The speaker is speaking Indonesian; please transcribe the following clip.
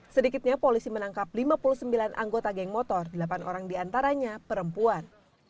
sedikitnya polisi menangkap lima puluh sembilan anggota geng motor delapan orang diantaranya perempuan